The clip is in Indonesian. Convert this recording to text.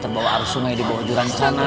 terbawa aru sungai di bawah jurang tanah